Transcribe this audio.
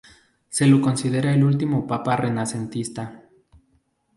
Se lo considera el último papa renacentista.